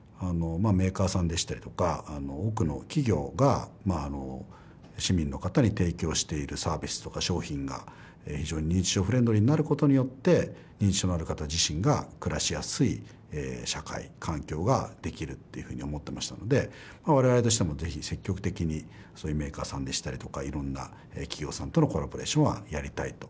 メーカーさんでしたりとか多くの企業が市民の方に提供しているサービスとか商品が非常に認知症フレンドリーになることによって認知症のある方自身が暮らしやすい社会環境ができるっていうふうに思ってましたので我々としてもぜひ積極的にそういうメーカーさんでしたりとかいろんな企業さんとのコラボレーションはやりたいと。